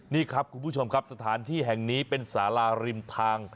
นี่ครับคุณผู้ชมครับสถานที่แห่งนี้เป็นสาราริมทาง